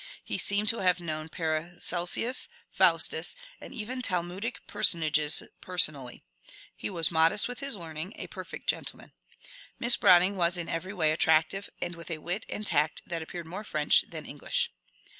He seemed to have known Paracelsus, Faustus, and even Talmudic personages person ally. He was modest with his learning, a perfect gentleman. Miss Browning was in every way attractive, and with a wit and tact that appeared more French than English.